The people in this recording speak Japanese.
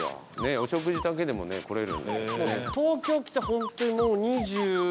お食事だけでもね来れる。